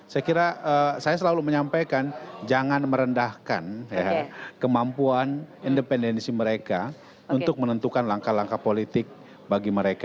saya kira saya selalu menyampaikan jangan merendahkan kemampuan independensi mereka untuk menentukan langkah langkah politik bagi mereka